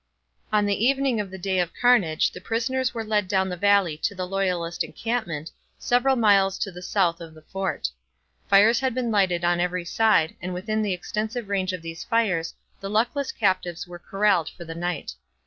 On the evening of the day of carnage the prisoners were led down the valley to the loyalist encampment, several miles to the south of the fort. Fires had been lighted on every side, and within the extensive range of these fires the luckless captives were corralled for the night.